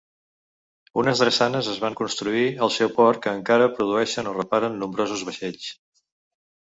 Unes drassanes es van construir al seu port que encara produeixen o reparen nombrosos vaixells.